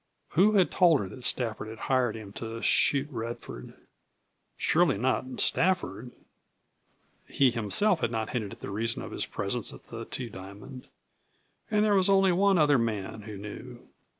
Who had told her that Stafford had hired him to shoot Radford? Surely not Stafford. He himself had not hinted at the reason of his presence at the Two Diamond. And there was only one other man who knew.